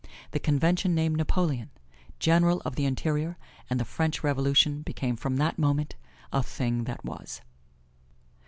The Convention named Napoleon, General of the Interior, and the French Revolution became from that moment a thing that was.